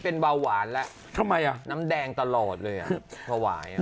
เป็นเบาหวานแล้วทำไมอ่ะน้ำแดงตลอดเลยอ่ะถวายอ่ะ